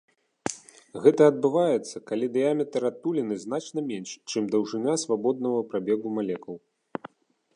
Гэта адбываецца, калі дыяметр адтуліны значна менш, чым даўжыня свабоднага прабегу малекул.